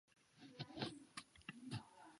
江苏巡抚宋荦聘致幕中。